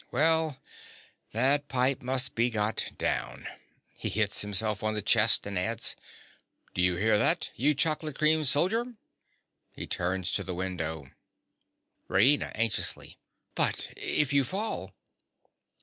Well, that pipe must be got down—(He hits himself on the chest, and adds)—Do you hear that, you chocolate cream soldier? (He turns to the window.) RAINA. (anxiously). But if you fall?